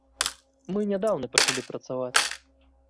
Мы нядаўна пачалі працаваць.